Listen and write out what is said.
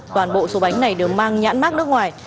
toàn bộ số bánh này đều mang nhãn mát nước ngoài